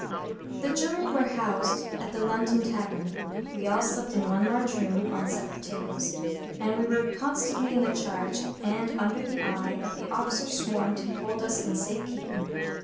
The Jury were housed at the London Tavern. We all slept in one large room on separate tables, and we were constantly in the charge and under the eye of the officer sworn to hold us in safe keeping.